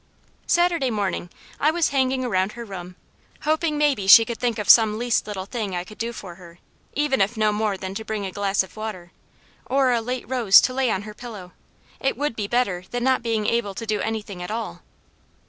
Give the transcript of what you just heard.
Saturday morning I was hanging around her room hoping maybe she could think of some least little thing I could do for her, even if no more than to bring a glass of water, or a late rose to lay on her pillow; it would be better than not being able to do anything at all.